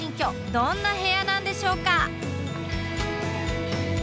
どんな部屋なんでしょうか？